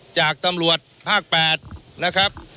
จากตำรวจภาค๘นะครับ